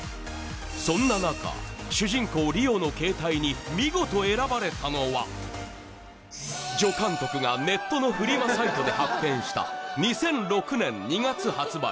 そんな中主人公・梨央の携帯に見事選ばれたのは助監督がネットのフリマサイトで発見した２００６年２月発売